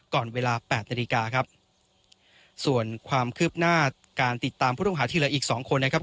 ก่อนเวลาแปดนาฬิกาครับส่วนความคืบหน้าการติดตามผู้ต้องหาที่เหลืออีกสองคนนะครับ